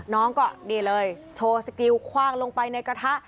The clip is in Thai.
น้องก็นี่เลยโชว์สกิลคว่างลงไปในกระทะ